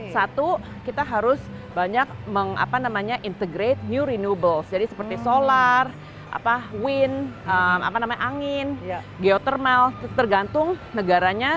satu kita harus banyak integrate new renewable jadi seperti solar win angin geothermal tergantung negaranya